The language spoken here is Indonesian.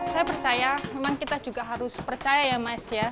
saya percaya memang kita juga harus percaya ya mas ya